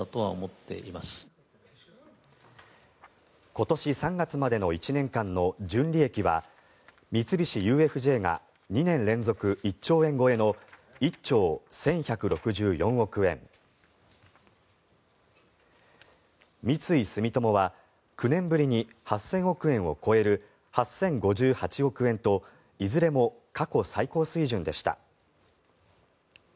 今年３月までの１年間の純利益は三菱ＵＦＪが２年連続１兆円超えの１兆１１６４億円三井住友は９年ぶりに８０００億円を超える８０５８億円といずれも過去最高水準でした。